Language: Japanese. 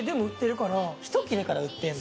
１切れから売ってんの？